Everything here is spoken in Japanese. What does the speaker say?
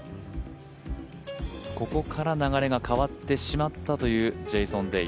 ここから流れが変わってしまったというジェイソン・デイ